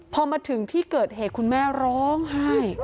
พอมาถึงที่เกิดเหตุคุณแม่ร้องไห้